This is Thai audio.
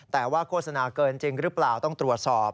แต่ว่าโฆษณาเกินจริงหรือเปล่าต้องตรวจสอบ